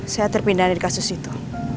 saya terpindah dari kasus itu